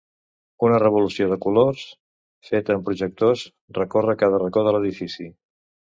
Una revolució de colors, feta amb projectors, recórrer cada racó de l’edifici.